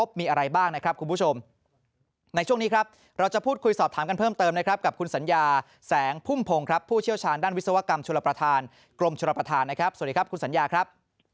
ครับสวัสดีครับคุณธิรวัตรครับสวัสดีครับท่านผู้ชมฟังครับ